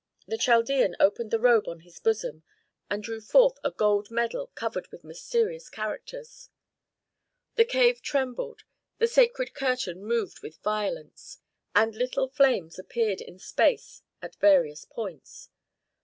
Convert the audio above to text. The Chaldean opened the robe on his bosom, and drew forth a gold medal covered with mysterious characters. The cave trembled, the sacred curtain moved with violence, and little flames appeared in space at various points.